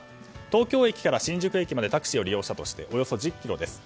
東京駅から新宿駅までタクシーを利用したとしておよそ１０ｋｍです。